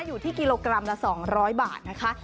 อยู่ที่กิโลกรัมละ๒๐๐บาทนะคะ